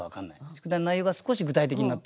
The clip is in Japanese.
「宿題」の内容が少し具体的になった。